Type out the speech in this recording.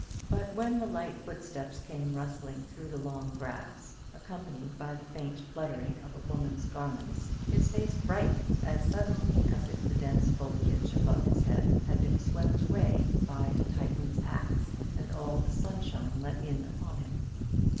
But when the light footsteps came rustling through the long grass, accompanied by the faint fluttering of a woman's garments, his face brightened as suddenly as if the dense foliage above his head had been swept away by a Titan's axe, and all the sunshine let in upon him.